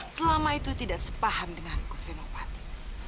selama itu tidak sepaham denganku senopati